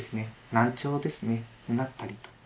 難聴ですねなったりとか。